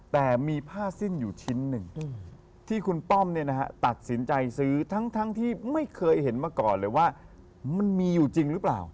แต่มีผ้าสิ้นอยู่ชิ้นหนึ่งที่คุณป้อมตัดสินใจซื้อทั้งที่ไม่เคยเห็นมาก่อนเลยว่ามันมีอยู่จริงหรือเปล่า